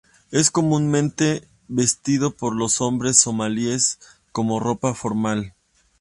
Es comúnmente vestido por los hombres somalíes como ropa informal.